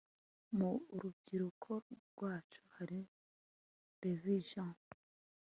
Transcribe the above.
Mu rubyiruka rwacu harimo Levi jeans